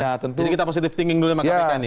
jadi kita positive thinking dulu sama kpk nih ya